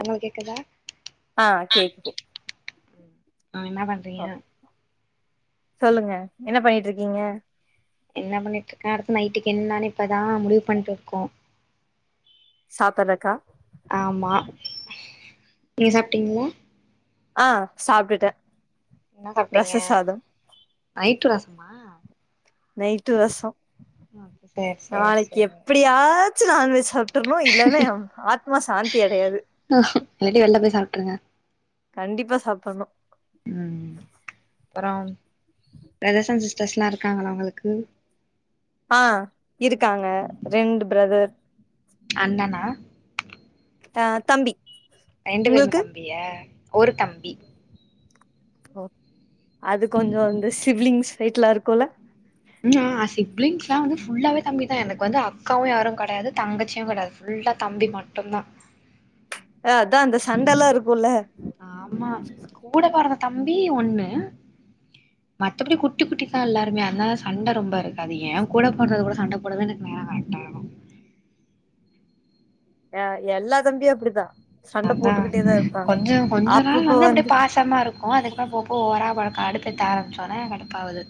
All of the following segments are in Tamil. உங்களுக் கேக்குதா ஆ கேக்குது ஆ என்னா பண் சொல்லுங்க என்ன பண்ணிட்ருக்கீங்க என்ன பண்ணிட்ருக்க அடுத்து நைட்டுக்கு என்னானு இப்பதா முடிவு பண்ணிட்ருக்கோ சாப்பறக்கா ஆமா நீங் சாப்ட்டீங்களா ஆ சாப்டுட்டே என்ன சாப்டீங்க நைட்டு ரசமா நைட்டு ரச சேர் சேர் நாளைக்கு சேரி எப்படியாச்சு நான்வெஜ் சாப் டுரணு இல்லன்ன ஏ ஆத்மா சாந்தி அடையாது ம் இல்லாட்டி வெளில போய் சாப்டுருங்க கண்டிப்பா சாப்றணு ம் அப்பற பிரதர்ஸ் அண்ட் சிஸ்டர்ஸ்ல்லா இருக்காங்களா உங்களுக்கு ஆ இருக்காங்க ரெண்டு ப்ரதர் அண்ணனா ஆ தம்பி ரெண்டு பேருமே தம்பியா ஒரு தம்பி ஒ அது கொஞ்ச இந்த சிவலிங்ஸ் சைட்லா இருக்கும்ல ம் ஆ சிப்லிங்ஸ்னா வந்து ஃபுல்லாவே தம்பி தா எனக்கு வந்து அக்காவு யாரு கெடையாது தங்கச்சியு கெடையாது வில்லா தம்பி மட்டுதா அ அதா அந்த சண்டல்லா இருக்குல ஆமா கூட போறந்த தம்பி ஒன்னு மத்தபடி குட்டி குட்டி தா எல்லாருமே அதனால சண்ட ரொம்ப இருக்காது ஏன் கூட போடுறது கூட சண்ட போடதன எனக்கு நேரம் கரெக்ட்டாருக்கு அ எல்லா தம்பியு அப்டிதா சண்ட அதா போட்டுக்கிட்டே தா இருப்பாங்க கொஞ்சோ கொஞ்சோ நாள் வந்து அப்டி பா கத்தமா இருக்கு அதுக்குப்பற போ போ ஓவரா பழக்க அடுத்தடுத்து ஆரம்பிச்சோனே கடுப்பாவ்து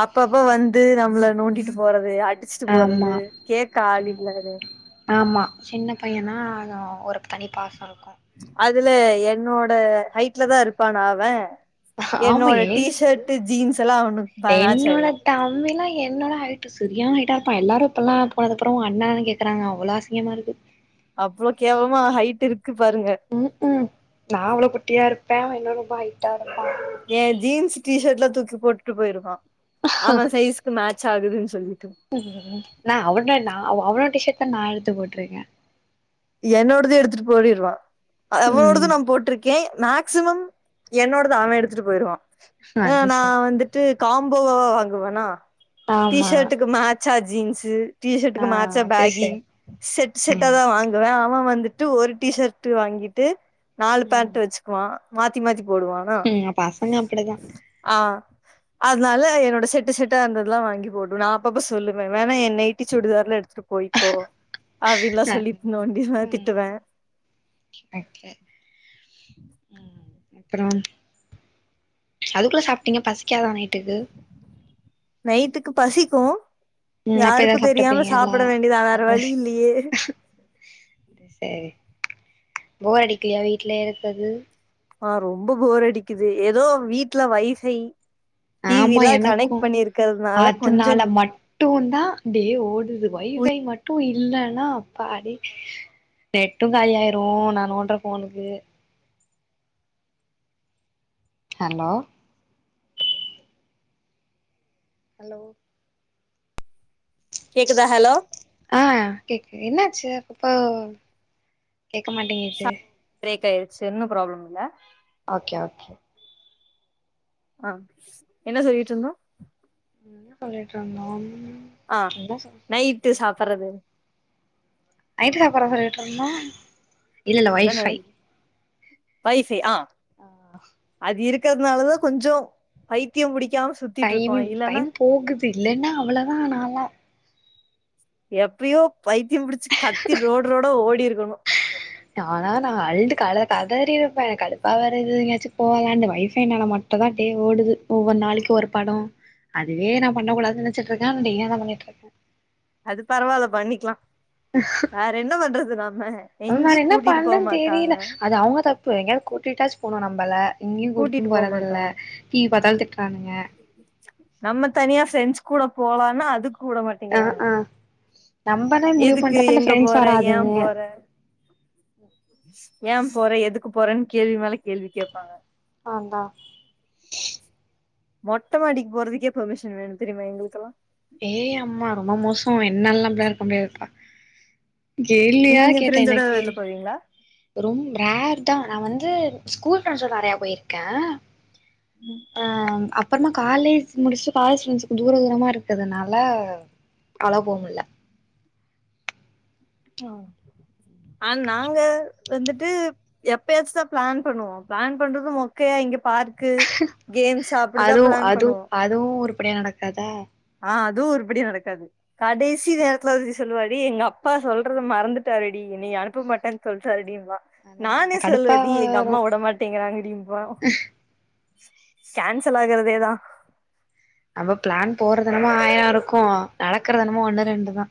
அப்பப்ப வந்து நம்மள நோண்டிட்டு போறது அடிச்சுட்டு ஆமா போறது கேக்க ஆள் இல்லது ஆமா சின்ன பையனா அதுவு ஒரு தனி பாச இருக்கு அதுல என்னோட ஹைட்லதா இருப்பானா அவ ஆமா என்னோட ஏ டீ ஷர்ட் ஜீன்ஸ் எல்லா அவனுக் என்னோட தம்பிலா என்னோட ஹைட்டு சரியான ஹைட்டா இருப்பா எல்லாரு இப்போல்லா போனது அப்பற அண்ணானா கேக்கறாங்க அவ்ளோ அசிங்கமா இருக்கு அவ்ளோ கேவலமா ஹைட் இருக்கு பாருங்க ம்க்கு நா அவ்ளோ குட்டியா இருப்ப அவ இன்னு ரொம்ப ஹைட்டா இருப்பா ஏ ஜீன்ஸ் டீ ஷர்ட்லா தூக்கி போட்டுட்டு போயிருவா அவன் சைஸ்க்கு மேட்ச் ஆகுதுன் சொல்ட்டு நா அவனோ நா அவனோட டி ஷர்ட் தா நா எடுத்து போட்ருக்க என்னோடத எடுத்துட்டு போடிருவா அவனோடத ம் நா போட்ருக் கே மேக்சிமம் என்னோடத அவ எடுத்துட்டு போயிருவா அ அது நா சரி வந்து டு காம்போவா வாங்குவனா டீ ஆமா ஷர்ட்டுக்கு மேட்சா ஜீன்ஸு ஆ டீஷர்ட்க்கு மேட்சா அது பேகி சரி செட் ம் செட்டாதா வாங் வ அவ வந்துட்டு ஒரு டிஷர்ட்ட் வாங்கிட்டு நாலு ம் பேண்ட் வச்சு வா மாத்தி மாத்தி போடுவா ம் பசங்க அப்டிதா ஆ அதனால என்னோட செட்டு செட்ட அந்ததுல்லா வாங்கி போடு நா அப்பப்ப சொல்லுவ வேணா என் நைட்டி சுடிதார்லா எடுத்துப் போய்கோ அப்டின்னுலா சொல்லி நோண்டி ம் திட்டுவ ஓகே அப்பறம் அதுக்குள்ள சாப்ட்டீங்க பசிக்காதா நைட்டுக்கு நைட்டுக்கு பசிக்கு ம் அப்ப யாருக்கு ஏதாவது தெரியாம சாப்ட்டுப்பீங்கல்ல சாப்ட வேண்டியதா வேற அது வழி இல்லயே அது சரி போர் அடிக்கலயா வீட்ல இருக்கது ஆ ரொம்ப போர் அடிக்குது ஏதோ வீட்ல வயசாயி ஆமா டிவிலா எனக்கு கனெக்ட் பண்ணிருக்கிறதுனால கொஞ்சோ மட்டு தா டே ஓடுது வைஃபை மட்டு இல்லன்னா அப்பாடி நெட்டு காலியாயிரு நான் நோன்ற ஃபோனுக்கு ஹலோ ஹலோ கேக்குதா ஹலோ ஆ கேக்கு என்னாச்சு அப்பப்போ கேட்க மாட்டேங்குது பிரேக் ஆயிச்சுன்னு ப்ராப்ள இல்ல ஓகே ஓகே ஆ என்ன சொல்லிட்டு இருந்தோ என்ன சொல்லிட்டு இருந்தோ என்ன சொல் டு சாப்பர்றது ஐத்ரா பர சொல்ட்ருந்தோ அப்பதா நெனைக் பைசே ஆ ஆ அஹ் அது இருக்கத்னாலதா கொஞ்சோ பைத்தியம் புடிக்காமஸ் டைம் டைம் போகுது இல்லன்னா அவ்ளதா நாலா எப்பயு பைத்தியம் புடிச்சு கத்தி ரோட் ரோடா ஓடிருக்கணு நாலா நா அழுது கல கதறிறுப்பே கடுப்பா வேற இது எங்யாச்சு போலான்டு வைஃபைனால மட் ட்டுதா டே ஓடுது ஒவ்வொ நாளிக்கு ஒரு படோ அதுவே நா பண்ண கூடாது நெனச்சிட்ருக்க டீயேதா பண்ணிட்ருக்க அது பரவால்ல பண்ணிக்லா வேற என்ன பண்றது நம்ம வேற எங்கி என்ன கூட்டிட்டு போ பண்றேன்னு மாட்டாங்க தெரியல அது அவுங்க தப் ப்பு எங்யாவ் கூட்டிட்டாச்சு போணு நம்பள எங்யு கூட்டிட்டு கூட்னு போ போரதல்ல மாட்டாங்க டீ பாத்தால் திட்றானுங்க நம்ம தனியா ஃப்ரெண்ஸ் கூட போலானா அதுக் உடமாட் ஆ திங்கிறாக ஆ நம்பளே முடிவு எதுக்கு பண்றப்ப இந்த எங்க ஃப்ரெண்ட்ஸ் போற ஏ வராதுங்க போற ஏ போறே எதுக்கு போறன் கேள்வி மேல கேள்வி கேப்பாங்க ஆந்தா மொட்டமாடிக் போறதுக்கே பமிஷன் வேணு தெரியுமா எங்களுக்கல்லா ஏ அம்மா ரொம்ப மோசோ என்னல்லா அப்ளா இருக்க முடியாதுப்பா ஜெயில்லியா கேட்ட எனக்கு ரிங்ளா ரொம் ரேர் தா நா வந்து ஸ்கூல் ஃப்ரன்ஸோட நறையா போயிர்க்கே ஆம் அப் அப்பறமா காலேஜ் முடிச்ட்டு பாய் ஸ்ரண்ஸுக்கு தூர தூரமா இருக்குதுனால அவ்ளாவ் போ முல்ல ஆ அன் நாங்க வந்துட்டு எப்பயாச்சுதா ப்ளான் பண்ணுவோ ப்ளான் பண்றது மொக்கையா இங்க பார்க்கு கேம்ஸ் அப்டிதா அதுவு பிளான் அது பண்ணுவோ அதுவு உருப்படியா நடக்காதா ஆ அதுவு உருப்படியா நடக்காது கடைசி நேரத்துல வதி சொல்லுவாடி எங்கப்பா சொல்றத மறந்துட்டாடி நீ அனுப்ப மாட்டங் சொல்ட்டார்டீம்பா அதா நானே கடுப்பா சொல்லுவது எங்க வரு அம்மா ஒடமாட்டேங்கிறாங்கடீம்பா கேன்சல் ஆகுறதேதா அவ ப்ளான் போறதுனமோ ஆயாருக்கு நடக்கறதன்னமோ ஒண்ணு ரெண்டுதா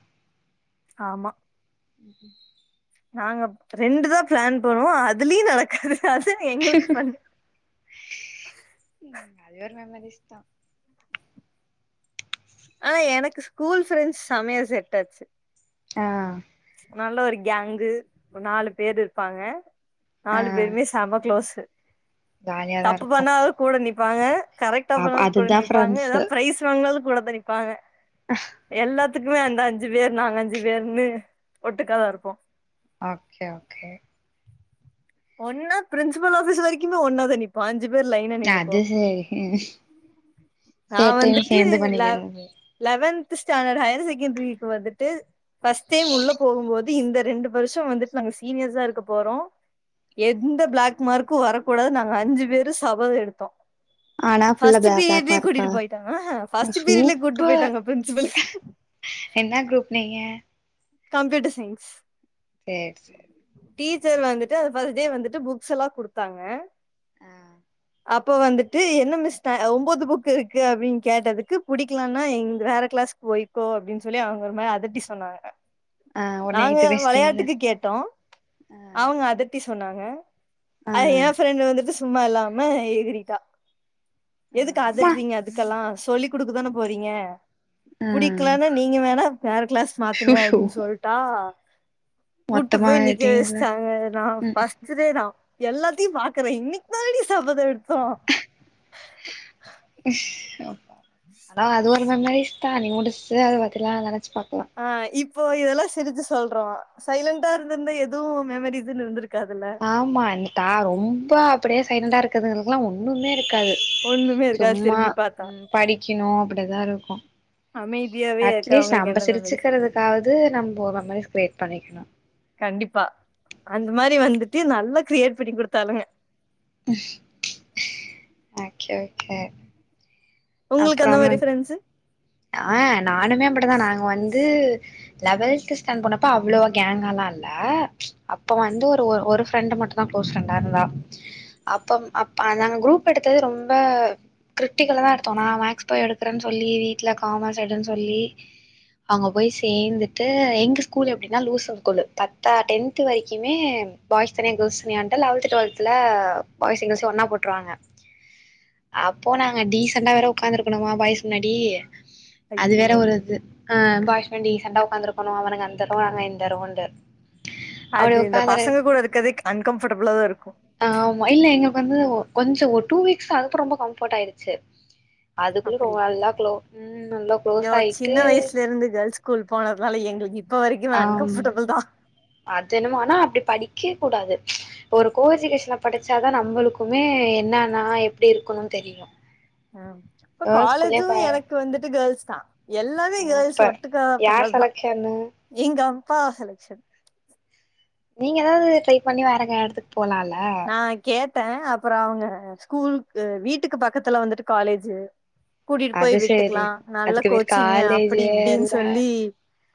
ஆமா ம்ம் நாங்கப் ரெண்டு தா ப்ளான் பண்ணுவோ அதுலியி நடக்காது அதா எங்கள்க்கு ஃபன்னு உம் அதே ஒரு மெமரிஸ் தா ஆ எனக்கு ஸ்கூல் ஃப்ரெண்ஸ் சமையா செட்டாச்சு ஆ நல்ல ஒரு கேங்கு ஒ நாலு பேர் இருப்பாங்க ஆ நாலு பேருமேஸ் செம க்ளோஸு ஜாலியாதா தப்பு இருக்கு பண்ணாலு கூட நிப்பாங்க கரெக்டா அப் போனாலு கூட அதுதா நிப்பாங்க ஃப்ரெண்ட்ஸு ஏதாவ் ப்ரைஸ் வாங்க்னாலு கூட தா நிப்பாங்க எல்லாத்துக்குமே அந்த அஞ்சு பேர் நாங் அஞ்சு பேர்ன்னு ஒட்டுக்காதா இருப்போ ஆகே ஓகே ஒன்னா பிரின்சிபல் ஆஃபீஸ் வரைக்குமே ஒன்னாதா நிப் பாஞ்சு பேரு லைனா நின்னுக்குவோ அது சேரி நா சேட்டையு வந்துட்டு சேந்து லவ் பண்ணிக்கிறது லெவன்த் ஸ்டாண்டர்ட் ஹையர் செகண்டரிக்கு வந்துட்டு ஃபஸ்ட் டைம் உள்ள போகும்போது இந்த ரெண்டு வருஷோ வந்துட்டு நாங்க சீனியர்ஸா இருக்க போறோ எந்த பிளாக் மார்க்கு வரக்கூடாது நாங்க அஞ்சு பேரு சபதோ எடுத்தோ ஆனா ஃபுல்லா ஃபஸ்ட் பிளா பிளாக் பீரியட்லயே மார்க்கா கூட்டிட்டு போயிட்டாங்க ஆ ஆ ஃபஸ்ட்டு பீரியட்லயே கூட்டு போயிட்டாங்க பிரின்சிபலு என்னா குரூப் நீங்க கம்ப்யூட்டர் சைன்ஸ் சேர் சே டீச்சர் வந்துட்டு பஸ்ட் டே வந்துட்டு புக்ஸ்ல்லா குடுத்தாங்க ஆ அப்போ வந்துட்டு என்ன மிஸ் த அ ஒம்போது புக் இருக்கு அப்டின் கேட்டதுக்கு புடிக்லேனா இந்த வேற கிளாஸ்க் போயி போ அப்டின் சொல்லி அவ்ங் ஒரு மாரி அதட்டி சொன்னாங்க ஆ ஒடனே நாங்க எய்த்து பேசிட்டீங்கல்ல வெளையாட்டுக்கு கேட்டோ ஆ அவுங்க அதட்டி சொன்னாங்க ஆ அத என ஃப்ரெண்ட் வந்துட்டு சும்மா இல்லாம எகறிட்டா ஆ எதுக்கு ஆமா அதட்றீங்க இதுக்கலா சொல்லி்க் குடுக்கதான போறீங்க ஆ புடிக்கலானா நீங்க வேணா வேற கிளாஸ் ஷூ மாத்துங்க ஷூ அப்டின் சொல்ட்டா கூட்டு மொத்தமா போய் நிக்க ஆயிட்டீங்கல்ல வெச்சிட்டாங்க நா ம் ஃப ஸ்டு டே தா எல்லாத்தையு பாக்குறே இன்னைக்கு தானடி சபதோ எடுத்தோ ஆமா அதா அது ஒரு மெமரிஸ் தா இனி முடிச்சிட்டு அத பத்திலா நெனைச்சு பாக்கலா அ இப்போ இதெல்லா சிரிச்சு சொல்றோ சைலன்டா இருந்திருந்தா எது மெமரிஸ்னு இருந்திருக்காதுல்ல ஆமா இன்னிதா ரொம்ப அப்டியே சைலண்டண்டா இருக்கிறதகளுக்லா ஒன்னுமே இருக்காது ஒண்ணுமே இருக்காது சும்மா திரும்பி பாத்தா படிக்கணு அப்டிதா இருக்கு அமைதியாவே அட்லீஸ்ட் இருக்கவங்களுக்கு நம்ப எந்த மெமரிஸ் சிரிச்சிக்கிறதுக்காவது நம்போ மெமரிஸ் கிரியேட் பண்ணிக்கணு கண்டிப்பா அந்த மாரி வந்துட்டு நல்லா கிரியேட் பண்ணி குடுத்தாலுக ஓகே ஓகே உங்களுக்கு அந்த அப்றோ மாரி ஃப்ரெண்ட்சு ஆ நானுமே அப்டிதா நாங்க வந்து லெவல்த்து ஸ்டேன் போனப்ப அவ்ளோ கேங்கால இல்ல அப்ப வந்து ஒரு ஒரு ஃப்ரெண்ட் மட்டு தா க்ளோஸ் ஃப்ரெண்டா இருந்தா அப்பம் அப் நாங்க குரூப் எடுத்தது ரொம்ப கிரிட்டிக்கலா தா எடுத்தோ நா மேக்ஸ் பயோ எடுக்கறன் சொல்லி வீட்ல காமஸ் எடுன் சொல்லி அங்க போய் சேந்துட்டு எங்க ஸ்கூல் எப்டின்னா லூசப் ஸ்கூல்லு பத்தா டென்த்து வரைக்கிமே பாய்ஸ் தனியா கேள்ஸ் தனியான்ட்டு லவல்து டு்வல்த்துல பாய்ஸையு கேள்ஸையு ஒன்னா போட்ருவாங்க அப்போ நாங்க டீசண்டா வேற உக்காந்துருக்கணுமா பாய்ஸ் முன்னாடி அது வேற ஐயையோ ஒரு இது ஆ பாய் முன்னாடி டீசண்டா உக்காந்துருக்கணு அவனுக அந்த ரோ நாங்க இந்த ரவுன்டு அது இந்த பசங்க கூட இருக்குறதே அன்கம்பர்டபிளா தா இருக்கு ஆமா இல்ல எங்களுக்கு வந்து கொஞ்சோ ஒரு டூ வீக்ஸ் தா அதுப்றோ ரொம்ப கம்ஃபர்ட் ஆயிருச்சு அதுக்குள்ள ரூவால்ல க்ளோ ம் நல்லா க்ளோஸ் இயோ ஆயிட்டு சின்ன வயசுலருந்து கேள்ஸ் ஸ்கூல் போனதுனால எங்களுக்கு இப்ப வரைக்குமே ஆம் அன்கஃபர்டபிள் தா அது என்னமோ ஆனா அப்டி படிக்க கூடாது ஒரு கோஎஜிகேஷன்ல படிச்சாதா நம்மளுக்குமே என்னன்னா எப்டி இருக்குணுன் தெரியு இப்ப கேர்ள்ஸ் ஸ்கூல்லே காலேஜு ப எனக்கு வந்துட்டு கேள்ஸ் தா எல்லாமே கேர்ள்ஸ் சூப்பர் ஒட்டுக்கா யார் பண்ணதா செலக்ஷன்னு எங்க அப்பா செலக்ஷன் நீங்க எதாவது ட்ரை பண்ணி வேறங்க எடத்துக்கு போலால நா கேட்டே அப்புறோ அவங்க ஸ்கூல்க்கு வீட்டுக்கு பக்கத்துல வந்துட்டு காலேஜு கூட்டிட்டு போய் அது சரி விட்டுக்குலா நல்ல அதுக்கு பேர் கோச்சிங்கு காலேஜ் அப்டி இப்டின்னு இல்ல சொல்லி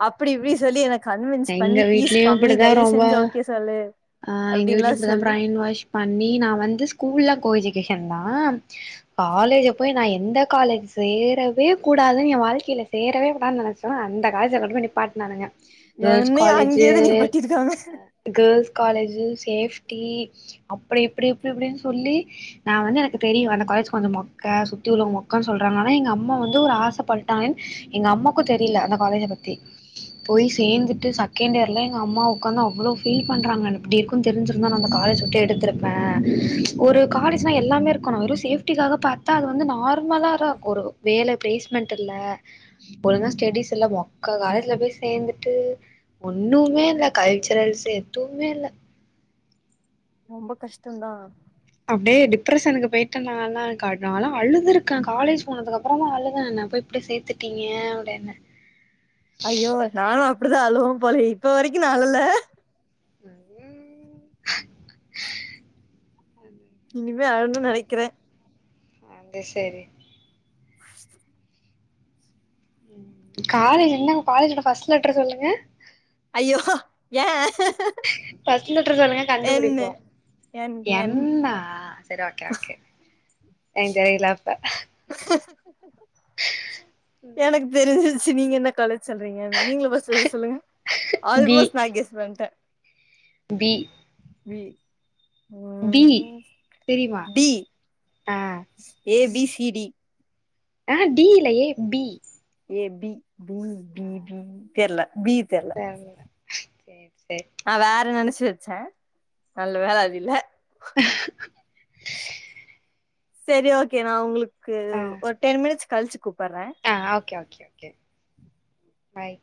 அப்டி இப்டி சொல்லி என்ன கன்வின்ஸ் எங்க பண்ணி ஃபீஸ் வீட்லயும் கம்மி இப்படிதான் தயவு ரொம்ப செஞ்சு ஓகே சொல்லு ஆ எங்க அப்டின்லா வீட்லயு இப்டிதா சொல்லி பிரயின்வாஷ் பண்ணி நா வந்து ஸ்கூல்ல கோ எஜிகேஷன் தா காலேஜு போய் நா எந்த காலேஜ் சேரவே கூடாதுன்னு எ வாழ்க்கையில சேரவே கூடாதுன்னு நெனச்சேனோ அந்த காலேஜ்ல கொண்டு போய் நீப்பாட்டு நானுங்க கேர்ள்ஸ் என்னைய காலேஜு அங்கேயேதா நிப்பாட்டிருக்காங்க அ கேர்ள்ஸ் காலேஜு சேஃப்டி அப்டி இப்டி இப்டி இப்டின்னு சொல்லி நா வந்து எனக்கு தெரியு அந்த காலேஜ் கொஞ்சோ மொக்க சுத்தி உள்ளவங்க மொக்கன் சொல்றாங்க ஆனா எங்க அம்மா வந்து ஒரு ஆச பட்டுடாங்கன்னு எங்க அம்மாக்கு தெரியில அந்த காலேஜ பத்தி போய் சேர்ந்துட்டு செகண்ட் இயர்ல எங்க அம்மா உக்காந்து அவ்ளோ ஃபீல் பண்றாங்க என்ன இப்டி க்குன் தெரிஞ்சிருந்தா நா அந்த காலேஜ் விட்டு எடுத்திருப்பே ஒரு காலேஜ்னா எல்லாமே இருக்கணு வெறு சேஃப்டிக்காக பாத் தா அது வந்து நார்மலா இரு ஒரு வேல பிளேஸ்மெண்ட் இல்ல வாழுங்கா ஸ்டடிஸ் எல்லா மொக்கா காலேஜ்ல போய் சேந்துட்டு ஒண்ணுமே இல்ல கல்ச்சுரல்ஸ் எதுவுமே இல்ல ரொம்ப கஷ்டொதா அப்டியே டிப்ரஷனுக்கு போயிட்டே நாலா கா நாலா அழுதுருக்கே காலேஜ் போனதுக்கு அப்புறமு அழுதே நா போய் இப்டி சேத்துட்டீங்க அப்டின்னு ஐயோ நானு அப்டிதா அழுவே போலயே இப்ப வரைக்கு நா அழல ம் ஹ்ம் இனிமே அழனு நெனைக்கிறே அது சரி [inaudible] காலேஜ் என்னங்க காலேஜோட ஃபஸ்ட் லெட்டர் சொல்லுங்க ஐயோ ஏ ஃபஸ்ட் லெட்டர் சொல்லுங்க என்னு கண்டுபிடிப்போ என் என் என்ன சரி ஓகே ஓகே எனக் தெரில அப்ப எனக்கு தெரிஞ்சிருச்சு நீங்க என்ன காலே சொல்றீங்கனு நீங்களோ ஃபஸ்ட் சொல்லுங்க பி ஆல்மோஸ்ட் நா கெஸ் பண்ட்டே பி பி பி ம் தெரிமா பி ஆ ஏ பி சி டி ஆ டி இல்ல A B A B B B B தெர்ல பி தெர் [unintelligible] சேர் சேர் நா வேற நெனச்சு வெச்சே நல்ல வேல அது இல்ல ம் [inaudible] சரி ஓகே நா உங்களுக்கு ஆ ஒரு டென் மினிட்ஸ் கழிச்சு கூப்புட்றே ஆ ஓகே ஓகே ஓகே பாய்